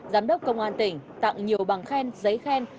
giám đốc công an tỉnh tặng nhiều bằng khen giấy khen